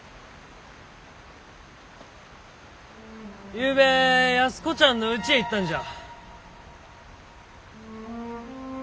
ゆうべ安子ちゃんのうちへ行ったんじゃ。